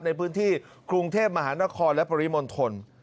ในพื้นที่กรุงเทพมหานครและปริมณฑล